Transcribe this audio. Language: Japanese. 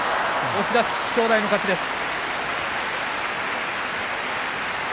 押し出し、正代の勝ちです。